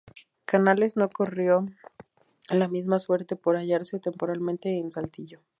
Canales no corrió la misma suerte por hallarse temporalmente en Saltillo.